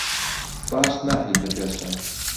باش ناهێیتە پێش چاو.